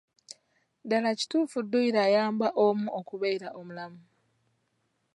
Ddaala kituufu dduyiro ayamba omu okubeera omulamu?